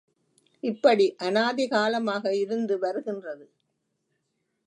இப்படி அநாதி காலமாக இருந்து வருகின்றது.